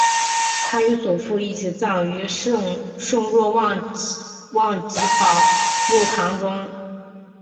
他与祖父一起葬于圣若望及保禄堂中。